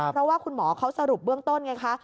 เพราะว่าคุณหมอเขาสรุปเบื้องต้นไงคะ